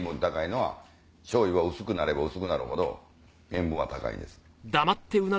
醤油は薄くなれば薄くなるほど塩分は高いです。